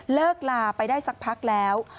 เลิกลาไปได้สักพักแล้ว